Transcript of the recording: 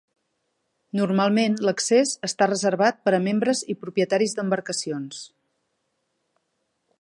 Normalment l'accés està reservat per a membres i propietaris d'embarcacions.